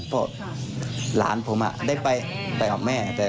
เพราะหลานผมได้ไปกับแม่